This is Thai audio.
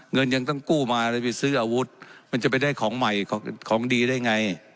ยังต้องกู้มาเลยไปซื้ออาวุธมันจะไปได้ของใหม่ของดีได้ไง